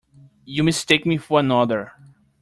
You mistake me for another.